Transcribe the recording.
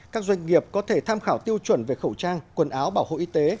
các doanh nghiệp có thể tham khảo tiêu chuẩn về khẩu trang quần áo bảo hộ y tế